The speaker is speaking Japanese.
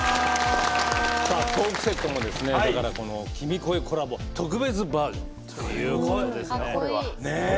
さあトークセットもですねだからこの「君声」コラボ特別バージョンということですね。